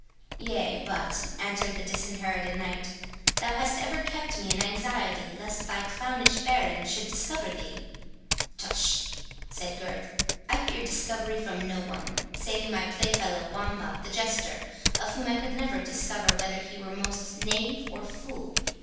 "Yea, but," answered the Disinherited Knight, "thou hast ever kept me in anxiety lest thy clownish bearing should discover thee." "Tush!" said Gurth, "I fear discovery from none, saving my playfellow, Wamba the Jester, of whom I could never discover whether he were most knave or fool.